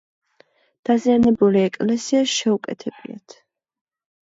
დაზიანებული ეკლესია შეუკეთებიათ.